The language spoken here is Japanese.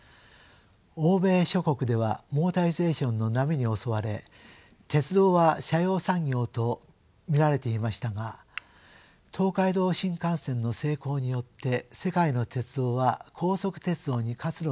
欧米諸国ではモータリゼーションの波に襲われ鉄道は斜陽産業と見られていましたが東海道新幹線の成功によって世界の鉄道は高速鉄道に活路を見いだしたのです。